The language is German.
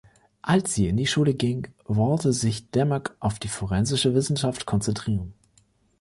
Als sie in die Schule ging, wollte sich Dimmock auf forensische Wissenschaft konzentrieren.